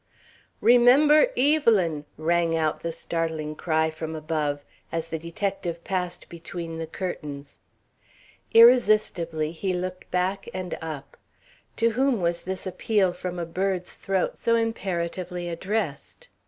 "Remember Evelyn!" rang out the startling cry from above, as the detective passed between the curtains. Irresistibly he looked back and up. To whom was this appeal from a bird's throat so imperatively addressed?